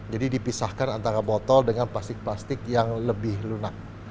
jadi dipisahkan antara botol dengan plastik plastik yang lebih lunak